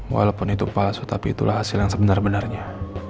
walaupun itu palsu tapi itulah hasil yang sebenar benarnya